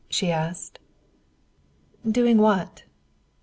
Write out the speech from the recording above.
she asked. "Doing what?"